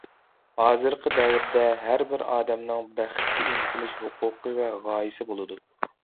ھازىرقى دەۋردە ھەر بىر ئادەمنىڭ بەختكە ئىنتىلىش ھوقۇقى ۋە غايىسى بولىدۇ.